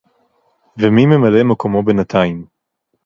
ומי ממלא מקומו בינתיים?